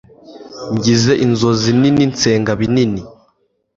Ngize Inzozi nini nsenga binini.